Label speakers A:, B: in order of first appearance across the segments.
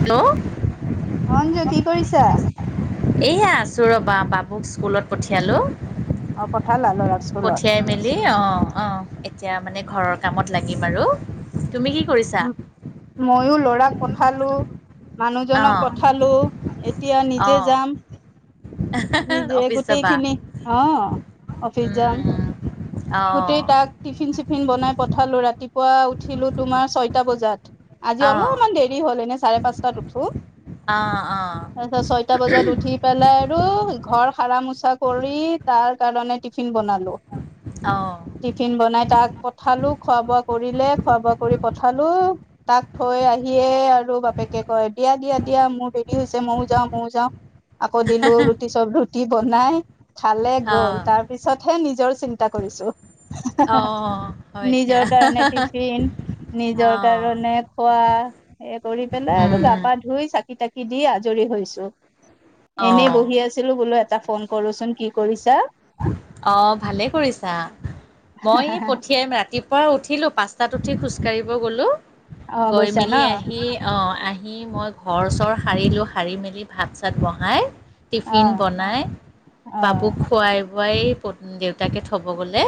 A: Hello!
B: Anju কি কৰিছা?
A: এয়া আছো ৰবা বাবুক স্কুলত পঠিয়ালো
B: অ পঠালা ল'ৰাক স্কুলত?
A: পঠিয়াই মেলি অ', অ' এতিয়া মানে ঘৰৰ কামত লাগিম আৰু। তুমি কি কৰিছা
B: [unintelligible] মইয়ো ল'ৰাক পঠালো। মানুহজনক
A: অঁ
B: পঠালো এতিয়া নিজে
A: অঁ
B: যাম। নিজে
A: অফিচ যাবা
B: গোটেইখিনি অ', অফিচ যাম।
A: উম অঁ
B: গোটেই তাক টিফিন চিফিন বনাই পঠালো ৰাতিপুৱা উঠিলো তোমাৰ ছয়টা বজাত। আজি
A: অঁ
B: অলপমান দেৰি হ'ল এনে চাৰে পাঁচটাত উঠো।
A: অঁ
B: তাৰপিছত ছয়টা বজাত উঠি পেলাই আৰু ঘৰ হাৰা মোচা কৰি তাৰ কাৰণে টিফিন বনালো।
A: অঁ অঁ
B: টিফিন বনাই তাক পঠালো খোৱা বোৱা কৰিলে। খোৱা বোৱা কৰি পঠালো তাক থৈ আহিয়ে আৰু বাপেকে কয় দিয়া, দিয়া-দিয়া মোৰ দে ৰি হৈছে মইয়ো যাম, মইয়ো যাম। আকৌ দিলো ৰুটি চব ৰুটি বনাই খালে গ'ল
A: অঁ
B: তাৰ পিছতহে নিজৰ চিন্তা কৰিছো।
A: অ'।
B: নিজৰ কাৰণে টিফিন নিজৰ
A: অঁ
B: কাৰণে খোৱা, এই কৰি পেলাই আৰু গা
A: উম
B: পা ধুই চাকি তাক কি দি আজৰি হৈছো।
A: অঁ
B: এনেই বহি আছিলো বোলো এটা ফোন কৰোচোন কি কৰিছা।
A: অ' ভালেই কৰিছা। মই এই পঠিয়াম ৰাতি পৰা উঠিলোঁ। পাঁচটাত উঠি খোজকাঢ়িব গ'লো,
B: অ
A: গৈ
B: গৈছা ন
A: মেলি আহি অ'। আহি মই ঘৰ চৰ সাৰিলো। সাৰি মেলি ভাত চাত বহাই
B: অ
A: টিফিন বনাই,
B: অ
A: বাবুক খুৱাই বুৱাই প, দেউতাকে থ'ব গ'লে।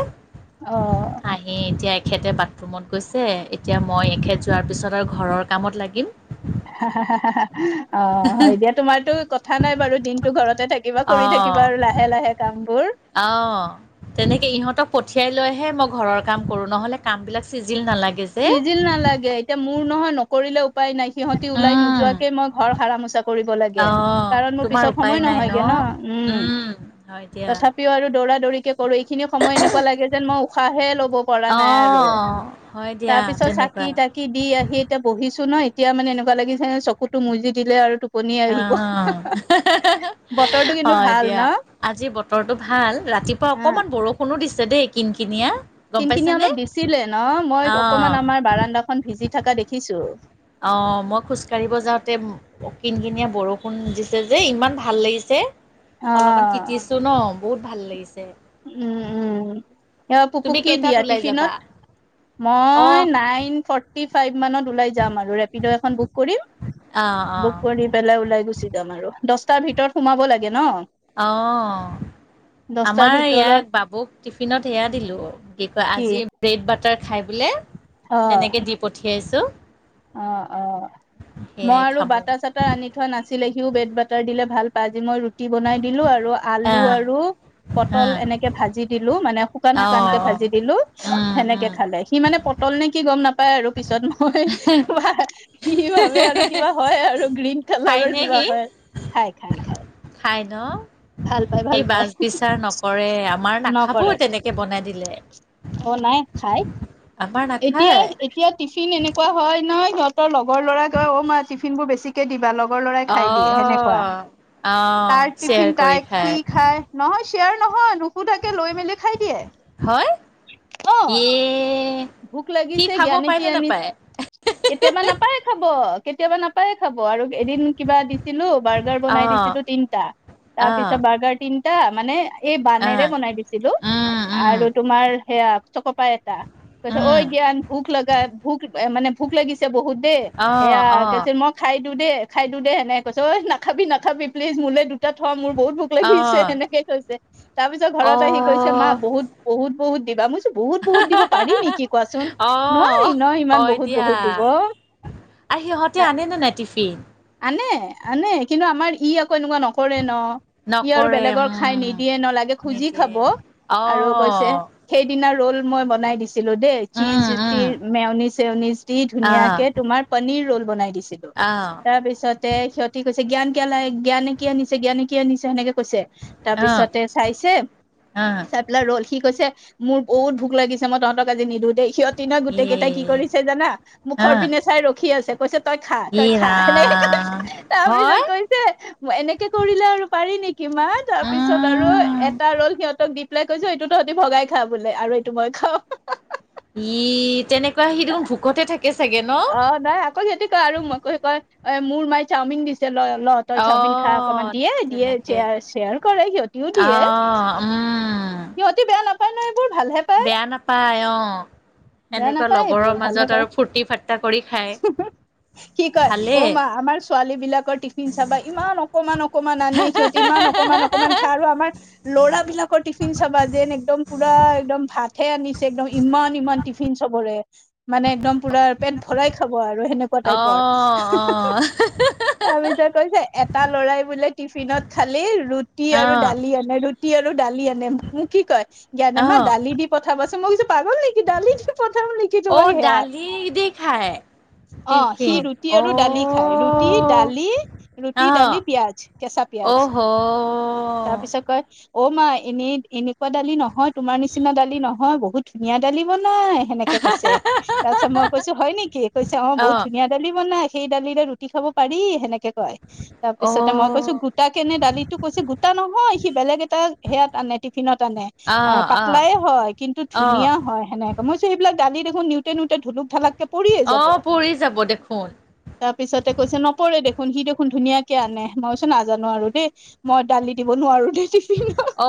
B: অ
A: আহি এতিয়া এখেতে বাথৰুমত গৈছে। এতিয়া মই এখেত যোৱাৰ পিছত আৰু ঘৰৰ কামত লাগিম।
B: অ' হয় দিয়া তোমাৰতো কথা নাই বাৰু দিনটো ঘৰতে থাকিবা, কৰি থাক কিবা আৰু লাহে লাহে কামবোৰ
A: অ' তেনেকে ইহঁতক পঠিয়াই লৈহে মই ঘৰৰ কাম ক'ৰো। নহ'লে কাম বিলাক চিজিল নালাগ
B: চিজিল নালাগে। এতিয়া মোৰ নহয় নকৰিলেও উপায় নাই। সিহঁতি ওলাই
A: উম
B: নোযোৱাকে মই ঘৰ সাৰা মোচা কৰিব লাগ গে।
A: অঁ
B: কাৰণ মোৰ
A: তোমাৰ
B: পিছত
A: উপায়
B: সময়
A: নাই
B: নহয়গে ন। উম,
A: হয় দিয়া
B: তথাপিও আৰু দৌৰা দৌৰিকে কৰোঁ। এইখিনি সময় এনেকুৱা লাগে যেন মই উশাহে ল'ব পৰা নাই আৰু।
A: অঁ হয় দিয়া
B: তাৰ পিছত চাকি
A: তেনেকুৱা
B: তাকি দি আহি এতিয়া বহিছো ন। এতিয়া মানে এনেকুৱা লাগিছে চকুতো মুজি দিলে আৰু টো
A: অ', হ।
B: বতৰটো কিন্তু
A: হয়
B: ভাল
A: দিয়া।
B: ন
A: আজি বতৰটো ভাল ৰাতিপুৱা অকমান বৰষুণো দিছ ছে দেই কিন কিনিয়া। গম
B: কিন কিনিয়া
A: পাইছানে
B: অলপ দিছিলে ন? মই
A: অ
B: অকমান আমাৰ বাৰাণ্ডাখন ভিজি থাকা দেখিছো।
A: অ' মই খোজকাঢ়িব যাওঁতে কিন কিনিয়া বৰষুণ দিছে যে ইমান ভাল লাগিছে। অলপমান টিটিছো ন বহুত ভাল লাগিছ
B: উ, উ। এয়া ফুফুক
A: তুমি
B: কি
A: কেইটাত
B: দিয়া
A: ওলাই যাবা
B: টিফিনত,
A: অ
B: মই নাইন ফৰ টি ফাইভ মানত ওলাই যাম আৰু। ৰেপিড' এখন বুক কৰিম,
A: অ অ
B: বুক কৰি পেলাই ওলাই গুছি যাম আৰু। দছটাৰ ভিতৰত সোমাব লাগে ন?
A: অ'
B: দহটাৰ
A: আমাৰ ইয়াক,
B: ভিতৰত
A: বাবুক টিফিনত হেয়া দিলোঁ। কি কয় আজি ব্ৰেড বাটাৰ খাই বোলে।
B: অ'
A: তেনেকে দি পঠিয়াইছো।
B: অ', অ' মই
A: সেয়াই
B: আৰু
A: খাব
B: বাটা চাটা আনি থোৱা নাছিলে। সিওঁ ব্ৰেড বাটাৰ দিলে ভাল পায়। আজি মই ৰুটি বনাই দিলোঁ আৰু আলু
A: আহ
B: আৰু পটল
A: আহ
B: এনেকে ভাজি দিলো মানে শুকান,
A: অ',
B: শুকান কে
A: অ',
B: ভাজি দিলোঁ।
A: উম,
B: হেনেকে
A: উম,
B: খালে। সি মানে পটল নে কি গম নাপায় আৰু পিছত ম [unintelligible] সি ভাবে আৰু কিবা হয় আৰু গ্ৰীণ কালাৰৰ
A: খাইনে
B: কিবা
A: সি?
B: হয়। খায়, খায়, খায়।
A: খাই ন। সি
B: পাই
A: বাচ বিচাৰ নকৰে আ মাৰ নাখাব
B: নকৰে ন
A: তেনেকে বনাই দিলে।
B: অ' নাই খাই।
A: আমাৰ
B: এতিয়া,
A: নাখায়
B: এতিয়া টিফিন এনে কোৱা হয় নহয়। সিহঁতৰ লগৰ ল'ৰাই কয়। অ' মা টিফিনবোৰ বেছিকে দিবা লগ লগৰ ল'ৰাই খাই দিয়ে হেনেকুৱা।
A: অ'। অ',
B: তাৰ
A: শ্বেয়াৰ
B: টিফিন
A: কৰি
B: তাই-সি খাই নহয়চ চেয়াৰ নহয়। নুশুধাকে লৈ মেলি খাই দিয়ে।
A: হয়
B: অ'।
A: ইয়ে
B: ভোক
A: সি
B: লাগিছে।
A: খাব
B: জ্ঞানে
A: পায়
B: কি
A: নে
B: আনিছ,
A: নাপায়?
B: কেতিয়াবা নাপায় খাব। কেতিয়াবা নাপায় খাব আৰু এদিন কিবা দিছিলোঁ, বাৰ্গাৰ বনাই
A: অ',
B: দিছিলোঁ তিনটা। তাপিছ
A: অ',
B: বাৰ্গাৰ তিন টা মানে এই বানেৰে
A: অ',
B: বনাই দিছিলোঁ
A: উম, উম,
B: আৰু তোমাৰ হেয়া চক'পাই কৈছে ঐ
A: উম।
B: জ্ঞান ভোক লাগায়ে, ভোক মানে ভোক লাগিছে বহুত। দেই হেয়া
A: অ', অ',
B: কৈছে মই খাই দু দে, খাই দু দে, হেনেকে কৈছে। ঐ নাখাবি, নাখাবি প্লিজ মোলে দু তিয়া থ মোৰ বহুত ভোক লাগিছে
A: অ',
B: সেনেকে কৈছে। তাপিছত ঘৰত আহি কৈছে মা
A: অ',
B: বহুত, বহুত বহুত দিবা। মইছো বহুত, বহুত দিব পাৰি নেকি কোৱাচোন নোৱাৰি
A: অ'।
B: ন ইমান
A: হয়
B: বহুত
A: দিয়া
B: বহুত দিব অ
A: আৰু সিহঁতে আনে নে নাই টিফিন?
B: আনে আনে কিন্তু আমাৰ ই আক ক এনেকুৱা নকৰে ন ই আৰু
A: নকৰে উম
B: বেলেগৰ খাই নিদিয়ে ন লাগে খুজি
A: নিজে
B: খাব আৰু কৈছে
A: আহ
B: সেইদিনা ৰল মই বনাই দিছ ছিলো দেই চিজ
A: উম উম
B: তিৰ মেয়নি চেয়নিছ্ দি
A: আহ
B: ধুনীয়াকে তোমাৰ পনিৰ ৰল বনাই দিছ ছিলো
A: আহ
B: তাৰ পিছতে সিহঁতি কৈছে জ্ঞান কিয় লে জ্ঞানে কিয় নিছে জ্ঞানে কিয় নিছে সেনেকে কৈছে তাৰ
A: আহ
B: পিছতে চাইছে
A: আহ
B: চাই পেলাই ৰল সি কৈছে মোৰ বহুত ভোক লাগিছে মই তহঁত আজি নিদিওঁ দেই সিহত তি ন
A: এ
B: গোটেই কেইটাই কি কৰিছে জানা মুখৰ
A: আহ
B: পিনে চাই ৰখি আছে কৈছে তই খা
A: এ
B: তই খা হেনেকে কৈ
A: ৰাম
B: তাৰ পিছত
A: হয়
B: কৈছে এনেকে কৰিলে আৰু পাৰি নিকি কি তাৰপিছত আৰু
A: উম
B: এটা ৰল সিহঁতক দি পাই কৈছো এইটো তহঁতি ভগাই খা বোলে আৰু এইটো মই খাওঁ
A: ই তেনেকে
B: অ নাই আকৌ হিহতি কয় আৰু মই কৈ কয় এ মোৰ মাই চাওমিন দিছে ল ল তই
A: অ
B: চাওমিন খাই অকনমান দিয়ে দিয়ে
A: তেনেকে
B: শ্ৰে শ্ৰেয়াৰো কৰে সিহঁতিও দিয়ে
A: আহ উম
B: হিহতি বেয়া নাপ
A: বেয়া নাপায় অ
B: বেয়া
A: এনেকুৱা
B: নাপায়
A: লগৰৰ
B: এইবোৰ ভালহে
A: মাজত
B: পায়
A: আৰু ফূুৰ্তি ফাৰ্তটা কৰি খায়
B: কি কয় অ
A: ভালেই
B: মা আমাৰ ছোৱালী বিলাকৰ টিফিন চাবা ইমান অকমান অকমান আনে সিহঁতি ইমান অকণমান অকণমান খাঁয় আৰু আমাৰ লৰাবিলাকৰ টিফ টিফিন চাবা যেন একদম পুৰা একদম ভাতহে আনিছে একদম ইমান ইমান টিফিন চবৰে মানে একদম পুৰা পেট ভৰাই খাব আৰু যে সেনেকুৱা
A: অ
B: টাইপৰ হি হি হি
A: অ
B: তাৰপিছত কৈছে এট তা লৰাই বোলে টিফিনত খালি ৰুটি আৰু দালি আনে ৰুটি আৰু দালি আনে মোক কি কয় জানানে
A: অ
B: মোক
A: অ
B: দালি দি পঠাবাচোন মই কৈছো পাগল ডালি প্ৰথম লিখি তোমাক সেয়া অ
A: দালি দি খায়
B: সি
A: টিফিন
B: ৰুটি আৰু দালি খায় ৰুটি
A: অ'
B: দালি ৰুটি দালি
A: অ'
B: পিয়াজ কেঁচা পিয়াজ পিয়াঁজ
A: অহ'
B: তাপিছত কয় অ মা এনে এনেকুৱা দালি নহয় তোমাৰ নিচিনা দালি নহয় বহুত ধুনীয়া দালি বন নাই সেনেকে কৈছে তাৰ পিছত মই কৈছো হয় নিকি কৈছে অ বহুত ধুনীয়া দালি বনাই সেই দালিৰে ৰুটি খাব পাৰি সেনেকে ক তাৰ পিছতে মই কৈছো গোটা কেনে দালিটো কৈছে গোটা নহয় সি বেলেগ এটা সেয়াত আনে টিফিনত আনে
A: অ' অ'
B: পাতলাই হয় কিন্তু
A: অ'
B: ধুনীয়া হয় সেনেক এবিলাক দালি দেখোন নিওঁতে নিওঁতে ধুলক ধালাক কে পৰিয়ে যাব
A: অ' পৰি যাব দেখোন
B: তাৰপিছতে কৈছে নপৰে দেখ শুন সি দেখোন ধুনীয়াকে আনে মইছোন নাজানো আৰু দেই মই দালি দিব নোৱাৰো দেই টিফিনত
A: অ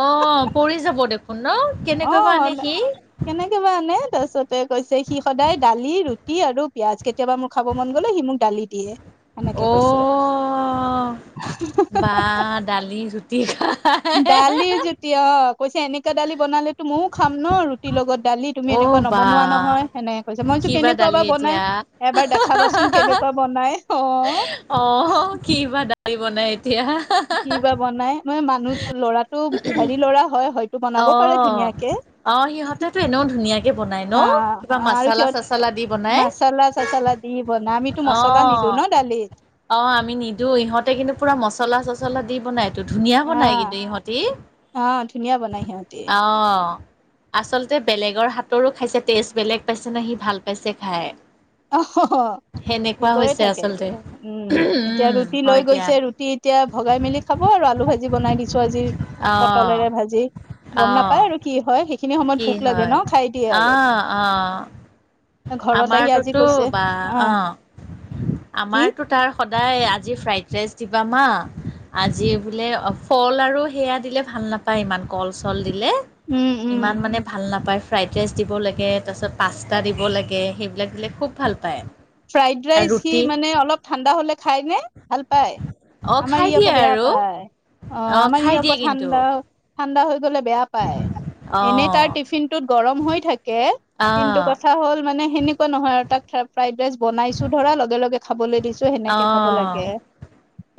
A: পৰি যাব দেখোন ন।
B: অ
A: কেনেকৈ বা আনে সি
B: কেনেকে বা আনে তা--পছতে কৈছে সি সদায় দালি ৰুটি আৰু পিয়াজ কেতিয়াবা মোৰ খাব মন গলে সি মোক দালি দিয়ে। সেনেকে কৈছে
A: অঅঅঅঅ বা দালি ৰুটি খা
B: দালি যেতিয়া অ কৈছে এনেকা দালি বনালেতো মও খাম ন ৰুটিৰ লগত দালি তুমি
A: অ'
B: এনেকুৱা
A: বা
B: নবনোৱা নহয় সেনেকে কৈছ মই কৈছোঁ
A: কিবা
B: কেনেকুৱা
A: দালি
B: বা
A: এতিয়া
B: বনাই। এবাৰ দেখাবাচোন কেনেকুৱা বনাই। অ
A: অ কি বা দালি বনাই। এতিয়া
B: কি বা বনাই মই মানুহ ল'ৰাটো বিহাৰী লৰা হয় হয় টো বনাব পাৰে
A: অ',
B: ধুনীয়াকে।
A: অ সিহঁতেটো এনেও ধুনীয়াকে বনাই ন
B: অ
A: কিবা
B: অ আৰু
A: মাচালা
B: সিহঁত
A: চাচালা দি বনাই।
B: মাচালা চাচালা দি বনাই আমিতো মছলা নিদো
A: অ',
B: ন দালিত।
A: অ আমি নিদো ইহঁতে কিন্তু পুৰা মচলা মচলা চচলা দি বনাই ত ধুনীয়া
B: অ
A: বনাই কিন্তু ইহতি।
B: অ ধুনীয়া বনাই সিহঁতি
A: অহ। আচলতে বেলেগৰ হাতৰো খাইছে টেষ্ট বেলেগ পাইছে ন সি ভাল পাইছে খাই।
B: অহ হ। সি
A: সেনেকুৱা
B: গৈ
A: হৈছে
B: থাকে এ
A: আচলতে।
B: উম এতিয়া ৰুটি লৈ
A: হয় দিয়া।
B: গৈছে ৰুটি এতিয়া ভগাই মেলি খাব আৰু - আলু ভাজি বনাই দি -
A: অ',
B: পটলেৰে ভাজি। গম নাপাই
A: অ',
B: আৰু কি হয় সেইখিনি সময়ত
A: কি
B: ভোক লাগে ন
A: হয়।
B: খাই দিয়ে আৰু।
A: অ',
B: ঘৰত আহি আজি
A: অ আমাৰটোতো
B: কৈছে
A: বা অ
B: কি
A: আমাৰতো তাৰ স দায় আজি ফ্ৰাইড ৰাইচ দিবা মা আজি বোলে ফল আৰু সেয়া দিলে ভাল নাপায় ইমান কল চল দিলে
B: উম উম
A: ইমান মানে ভাল নাপায় ফ্ৰাইড ৰাইচ দিব লাগে তাৰপিছত পাস্তা দিব লাগে সেইবিলাক দিলে খুব ভাল পায়।
B: ফ্ৰাইড ৰাইচ
A: আৰু
B: সি
A: ৰুটি
B: মানে অলপ ঠাণ্ডা হলে খায়নে, ভাল পায়?
A: অ
B: আমাৰ
A: খাই
B: ই
A: দিয়ে
B: আকৌ বেয়া
A: আৰু
B: পায় অ আমাৰ
A: খাই
B: ই
A: দিয়ে
B: আকৌ
A: কিন্তু
B: ঠাণ্ডা ঠাণ্ডা হৈ গ'লে বেয়া পায়
A: অ
B: এনেই তাৰ টিফিনটোত গৰম হৈ থাকে।
A: অ
B: কিন্তু কথা হ'ল মানে সেনেকুৱা নহয় আৰু তাক ফ্ৰাইড ৰাইচ বনাইছো ধৰা লগে লগে খাবলৈ দিছো
A: অ
B: সেনেকে খাব লাগে।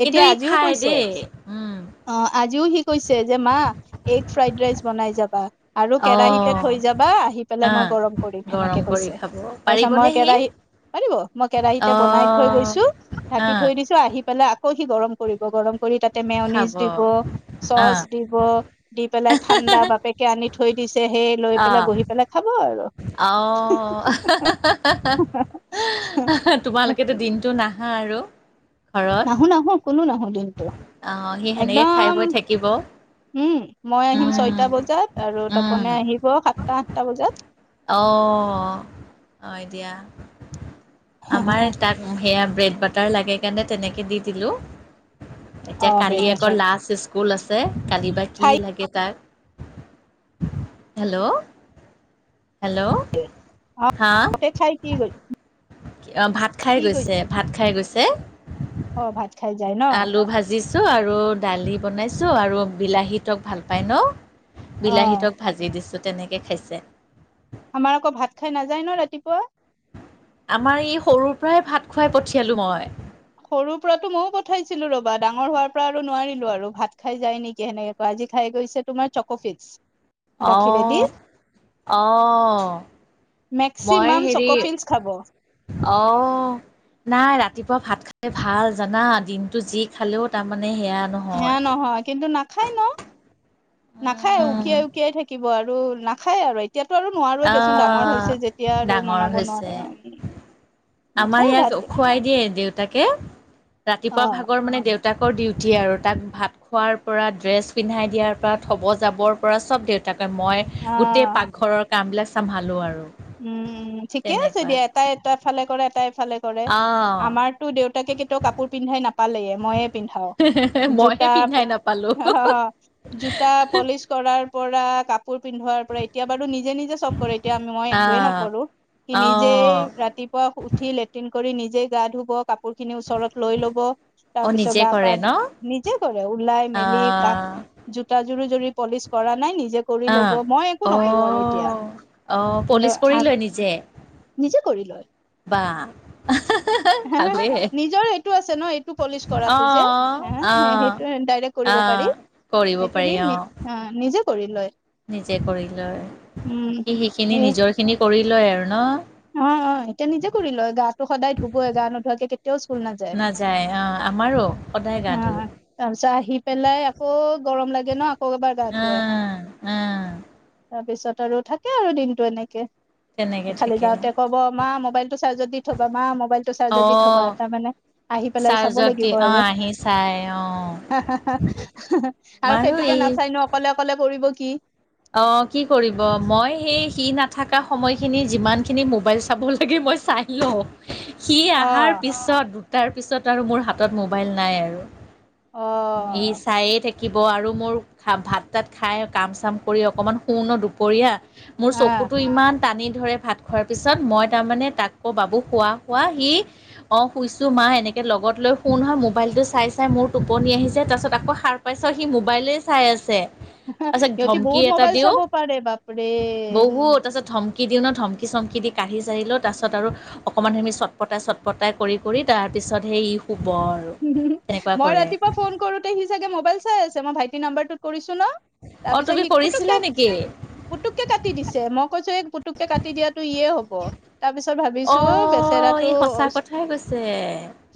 A: কিন্তু
B: এতিয়া
A: ই
B: আজিও
A: খায়
B: কৈছে।
A: দেই উম
B: অ আজিও সি কৈছে যে মা এগ ফ্ৰাইড ৰাইচ বনাই যাবা। আৰু
A: অ
B: কেৰাহিতে থৈ যাবা আহি পেলাই
A: অ
B: মই গৰম কৰিম সেনেকে
A: গৰম কৰি
B: কৈছে
A: খাব
B: তাৰপিছত মই
A: পাৰিবনে সি
B: কেৰাহী মই কেৰাহিতে
A: অ
B: বনা থৈ গৈছো
A: অ
B: ঢাকি থৈ দিছো আহি পেলাই আকৌ সি গৰম কৰিব গ - ৰম কৰি তাতে মেয়নিজ দিব,
A: খাব
B: চচ
A: অ',
B: দিব, দি পেলাই ঠাণ্ডা বাপেকে আনি থৈ দিছে সেই লৈ পেলাই
A: আহ
B: বহি পেলাই খাব আৰু
A: অহ। তোমালোকেতো দিনটো নাহা আৰু। ঘৰত
B: নাহো নাহো কোনো নাহো দিনটো
A: অ', সি সেনেকে খাই
B: একদম
A: বৈ থাকিব
B: উম মই আহিম
A: উম,
B: ছয়টা বজাত আৰু
A: উম,
B: তপনে আহিব সাতটা আঠটা বজাত।
A: অ অ এতিয়া
B: বজাত
A: আমাৰ তাক সেয়া ব্ৰেড বাটাৰ লাগে কাৰণে তেনেকৈ দি দিলোঁ
B: অ
A: এতিয়া
B: ব্ৰেড
A: কালি আকৌ
B: বাটাৰ
A: লাষ্ট স্কুল আছে যে কালি বা কি
B: খাই
A: লাগে তাক! হেল্ল' হেল্ল' হা
B: তাতে খাই কি গৈ
A: অঁ ভাত খাই
B: কি গৈ
A: গৈছে ভাত খাই গৈছে।
B: অ ভাত খাই যায় ন।
A: আলু ভাজিছোঁ আৰু দালি বনাইছোঁ আৰু বিলাহী তক ভাল পায় ন।
B: অ
A: বিলাহীটক ভাজি দিছোঁ তেনেকে খাইছে।
B: আমাৰ আকৌ ভাত খাই নাযায় [unintelligible]
A: আমাৰ ই সৰুৰ পৰাই ভাত খুৱাই পঠিয়ালো মই।
B: সৰুৰ পৰাতো মইও পঠাইছিলো ৰবা ডাঙৰ হোৱাৰ পৰা আৰু নোৱাৰিলো আৰু ভাত খাই যাই নেকি সেনেকে কোৱাটো আজি খাই গৈছে তোমাৰ চকফিকচ।
A: অহ। মই
B: মেক্সিমাম
A: হেৰি
B: চকফিল্চ খাব
A: অ নাই ৰাতিপুৱা ভাত খালে ভাল জানা দিনটো যি খালেও তাৰমানে
B: হে নহয় কিন্তু নাখায় ন নাখায়
A: উম,
B: উকিয়াই উকিয়াই থাকিব আৰু। আৰু নাখায় আৰু। এতিয়াতো আৰু নোৱাৰোই দেচোন ডাঙৰ
A: আহ।
B: হৈছে যেতিয়া আৰু
A: ডাঙৰ
B: মনাব
A: হৈছে
B: নোৱাৰোঁ।
A: আমাৰ ইয়াক খুৱাই দিয়ে দেউতাকে ৰাতিপুৱা
B: অ
A: ভাগৰ মানে দেউতা দেউতাকৰ ডিউটি আৰু তাক ভাত খোৱাৰ পৰা ড্ৰেছ পিন্ধাই দিয়াৰ পৰা থ'ব যাবৰ পৰা সব দেউতাক। মই
B: অ
A: গোটেই পাকঘৰৰ কামবিলাক চম্ভালো আৰু।
B: উম ঠিকে আছে
A: তেনেকুৱা
B: দিয়া এটাই এটা ফালে কৰে এটাই- ফালে কৰে
A: অ'
B: আমাৰতো দেউতাকে কেতিয়াও কাপোৰ পিন্ধাই নাপালেয়ে মইয়ে পিন্ধাও। জোতা
A: মইহে
B: অ',
A: পিন্ধাই নাপালোঁ
B: অ', জোতা পলিচ কৰাৰ পৰা কাপোৰ পিন্ধোৱাৰ পৰা এতিয়া বাৰু নিজে নিজে চব কৰে এতিয়া আমি মই একোৱেই
A: আহ
B: নকৰো সি নিজেই
A: অ'
B: ৰাতিপুৱা উঠি লেট্ৰিন কৰি নিজে গা ধুব কাপোৰ কাপোৰ খিনি ওচৰত লৈ লব তাৰ
A: অ'
B: পিছত
A: নিজে
B: গা পা
A: কৰে ন
B: নিজে কৰে ওলাই মেলি কাক
A: আহ
B: জোতা যোৰো যদি পলিচ কৰা নাই নিজে কৰি লব
A: অ',
B: মই একো নকৰো আৰু এতিয়া
A: অ', অ'।
B: কিন্তু
A: পলিচ কৰি
B: আ-
A: লয় নিজে,
B: নিজে
A: বা। ভালে
B: নিজৰে সেইটো আছে ন' প'লিচ কৰাটো যে
A: অ'
B: সে
A: অ'
B: সেইটোৱে ডাইৰেক্ট দিব পাৰি,
A: অ' কৰিব
B: সেইটো
A: পাৰি
B: দি নি
A: অ'
B: নিজে কৰি লয়।
A: নিজে কৰি লয়
B: উম
A: সি সিখিনি
B: সেই
A: নিজৰ খিনি কৰি লয় আৰু ন'।
B: অ', অ', এতিয়া নিজে কৰি লয়, গাটো সদায় ধুবই গা নুধুৱাকৈ কেতিয়াও স্কুল নাযায়।
A: অ'।
B: অ', তাৰ পিছত আহি পেলাই আকৌ গৰম লাগে ন' আৰু এবাৰ গা ধুৱে,
A: আহ আহ
B: তাৰপিছত আৰু থাকে আৰু দিনটো এনেকে
A: তেনেকে থাকে।
B: তে ক'ব মা মোবাইল টো চাৰ্জত দি থ'বা মা মোবাইল টো চাৰ্জত
A: অ
B: দি থ'বা তাৰ মানে আহি পেলাই চাব
A: চাৰ্জত দি
B: লাগিব।
A: অ আহি চাই অ
B: আৰু
A: আমাৰো
B: সেইটোকে
A: এই
B: নাচায় নো অকলে অকলে কৰিব। কি
A: অ', কি কৰিব মই সেই সি নাথাকা সময়খিনি যিমান খিনি মোবাইল চাব লাগে মই চাই লওঁ। সি
B: অ
A: আহাৰ পিছত দুটাৰ পিছত আৰু মোৰ হাতত মোবাইল নাই আৰু।
B: অ
A: সি চায়ে থাকে। থাকিব আৰু মোৰ ভাত তাত খাই কাম চাম কৰি অকণমান শু ন' দুপৰীয়া। মোৰ
B: আহ
A: চকুটো ইমান তানি ধৰে ভাত খোৱাৰ পিছত মই তাৰ মানে তাকো বাবুক শুৱা, শুৱা সি অ', শুইছো মা এনেকে লগত লৈ শুও নহয় মোবাইল টো চাই, চাই মোৰ টোপনি আহি যায় তাৰ পিছত আকৌ সাৰ পাই চাওঁ সি মোবাইলে চাই আছে। তাৰপিছত
B: সিহঁতি
A: ধমকি
B: বহুত
A: এটা
B: মোবাইল
A: দিওঁ
B: চাব পাৰে বাপৰে।
A: কি দিওঁ ন' ধমকি চমকি দি কাহি চাহি লৈ তাৰপাছত আৰু অকনমান চটফটাই চটফটাই কৰি কৰি তাৰ পিছত সেই ই শু
B: মই ৰাতিপুৱা ফোন কৰোঁতে সি চাগে মোবাইল চাই আছে মই ভাইটিৰ নাম্বাৰটোত কৰিছো। ন' তাৰ
A: অঁ
B: পিছত
A: তুমি
B: সি
A: কৰিছিলা
B: পুতুককে
A: নেকি
B: পুতুককে কাটি দিছে মোক কৈছো এই পুতুককে কাটি দিয়াটো ইয়ে হ'ব। তাৰপিছত
A: অ
B: ভাবিছো
A: ই
B: বেচেৰাটো,
A: সঁচা কথাই কৈছে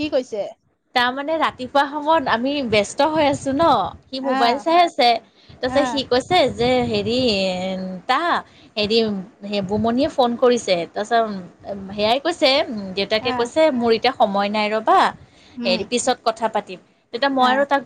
B: কি কৈছে?
A: তাৰমানে ৰাতিপুৱা সময়ত ই ব্যস্ত হৈ আছে ন'। সি মোবাইল
B: আহ
A: চাই আছে তাৰপিছত
B: আহ
A: সি কৈছে যে হেৰি তা হেৰি হে বুমনিয়ে ফোন কৰিছে তাৰপিছত সেয়াই কৈছে, দেউতাকে
B: আহ
A: কৈছে মোৰ এতিয়া সময় নাই ৰ'বা।
B: উম
A: হেৰি পিছত কথা পাতিম, তেতিয়া মই
B: আহ
A: আৰু তাক